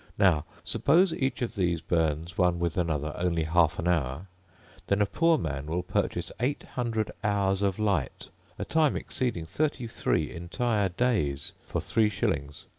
Now suppose each of these burns, one with another, only half an hour, then a poor man will purchase eight hundred hours of light, a time exceeding thirty three entire days, for three shillings.